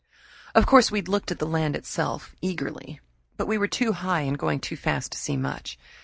Of course we had looked at the land itself eagerly, but we were too high and going too fast to see much.